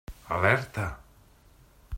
Alerta!